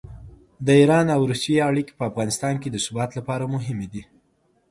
د ایران او روسیې اړیکې په افغانستان کې د ثبات لپاره مهمې دي.